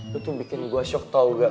tuh bikin gue shock tau gak